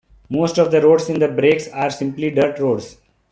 Most of the roads in the breaks are simply dirt roads.